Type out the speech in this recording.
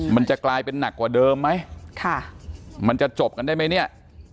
มันจะกลายเป็นหนักกว่าเดิมไหมค่ะมันจะจบกันได้ไหมเนี่ย